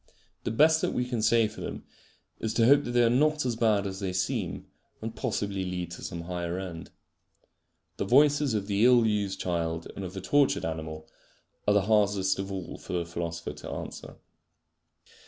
The best that we can say for them is to hope that they are not as bad as they seem, and possibly lead to some higher end. The voices of the ill used child and of the tortured animal are the hardest of all for the philosopher to answer.